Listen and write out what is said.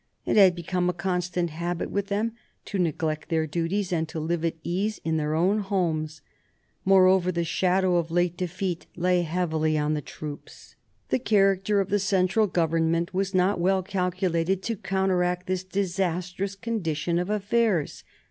It had become a constant habit with them to neglect their duties and to live at ease in their own homes. Moreover, the shadow of late defeat lay heavily on the troops. The character of the central government was not well calculated to counteract this disastrous condition of affairs.